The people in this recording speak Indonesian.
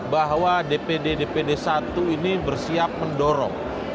bahwa dpd dpd satu ini bersiap mendorong